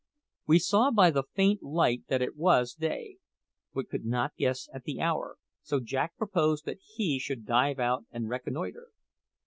We saw by the faint light that it was day, but could not guess at the hour; so Jack proposed that he should dive out and reconnoitre.